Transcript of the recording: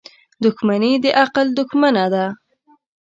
• دښمني د عقل دښمنه ده.